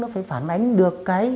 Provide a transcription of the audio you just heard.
nó phải phản ánh được